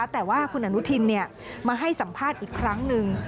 แต่ว่าคุณอนุทินมาให้สัมภาษณ์อีกครั้งหนึ่ง